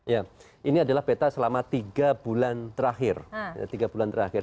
ya ini adalah peta selama tiga bulan terakhir